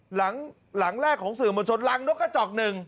หลังแรกของสื่อมวลชนรังนกกระจอกหนึ่ง